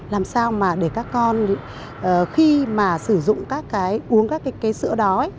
làm sao mà để các con khi mà sử dụng các cái uống các cái sữa đó